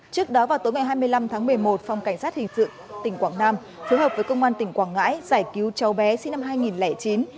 trước đó vào tối ngày hai mươi năm tháng một mươi một phòng cảnh sát hình sự tỉnh quảng nam phối hợp với công an tỉnh quảng ngãi giải cứu cháu bé sinh năm hai nghìn chín